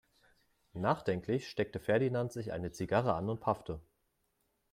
Nachdenklich steckte Ferdinand sich eine Zigarre an und paffte.